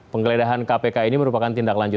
penggeledahan kpk ini merupakan tindak lanjut